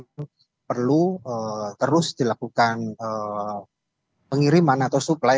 jadi ini perlu terus dilakukan pengiriman atau supply